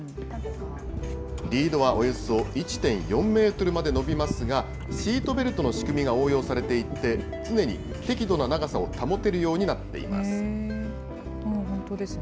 リードはおよそ１．４メートルまで延びますが、シートベルトの仕組みが応用されていて、常に適度な長さを保てるようになっていま本当ですね。